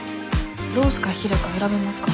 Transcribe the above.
ロースかヒレか選べますか？